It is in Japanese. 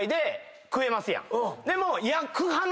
でも。